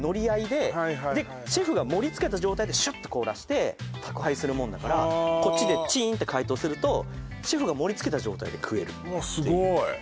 はいはいシェフが盛りつけた状態でシュッと凍らせて宅配するもんだからはあこっちでチーンって解凍するとシェフが盛りつけた状態で食えるうわっすごい！